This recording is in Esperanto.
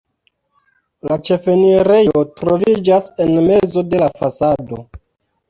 La ĉefenirejo troviĝas en mezo de la fasado.